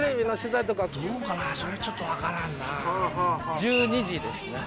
１２時ですね。